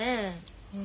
うん？